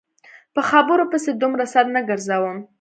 په خبرو پسې دومره سر نه ګرځوم.